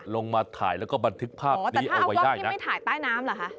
ลงมาถ่ายแล้วก็บันทึกภาพนี้เอาไว้ได้อ๋อแต่ถ้าเอากล้องนี้ไม่ถ่ายใต้น้ำเหรอคะ